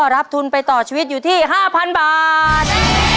รับทุนไปต่อชีวิตอยู่ที่๕๐๐๐บาท